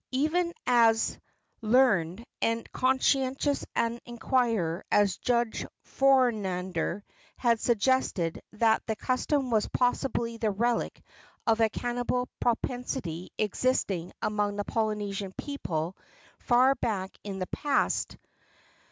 Even as learned and conscientious an inquirer as Judge Fornander has suggested that this custom was possibly the relic of a cannibal propensity existing among the Polynesian people far back in the past.